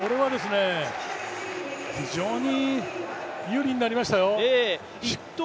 これは非常に有利になりましたよ。